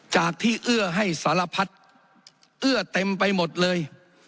จากที่เอื้อให้สารพัดเอื้อเต็มไปหมดเลย